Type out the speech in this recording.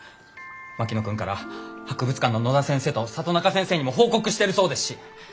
槙野君から博物館の野田先生と里中先生にも報告してるそうですし。